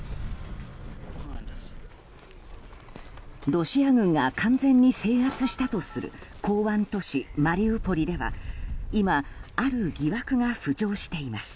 ロシア軍が完全に制圧したとする港湾都市マリウポリでは今、ある疑惑が浮上しています。